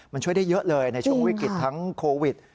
มันช่วยได้เยอะเลยในช่วงวิกฤตทั้งโควิด